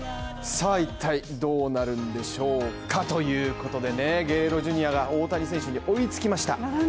一体、どうなるんでしょうかということでゲレーロジュニアが大谷選手に追いつきました。